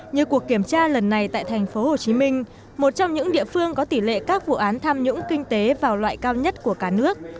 như cuộc kiểm tra lần này tại tp hcm một trong những địa phương có tỷ lệ các vụ án tham nhũng kinh tế vào loại cao nhất của cả nước